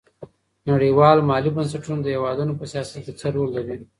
نړيوال مالي بنسټونه د هېوادونو په سياست کي څه رول لري؟